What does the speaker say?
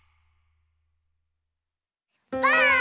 ばあっ！